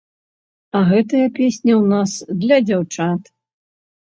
А гэтая песня ў нас для дзяўчат.